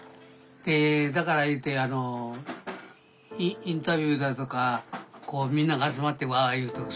だからいうてあのインタビューだとかこうみんなが集まってわあわあ言うとか